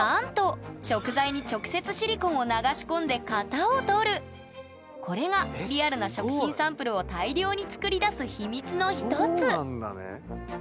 なんとこれがリアルな食品サンプルを大量に作り出す秘密の一つ！